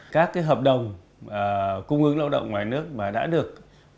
các hợp đồng cung ứng lao động ngoài nước mà đã được đưa ra